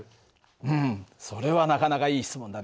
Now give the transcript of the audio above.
うんそれはなかなかいい質問だね。